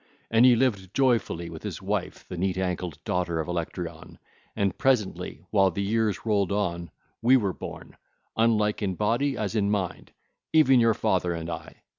And he lived joyfully with his wife the neat ankled daughter of Electyron: and presently, while the years rolled on, we were born, unlike in body as in mind, even your father and I.